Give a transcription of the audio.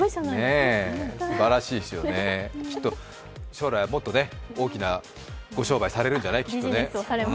すばらしいですよね、きっと将来はもっと大きなご商売をされるんじゃないでしょうかね。